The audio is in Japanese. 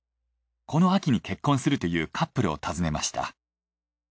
この秋に結婚するというカップルを訪ねました。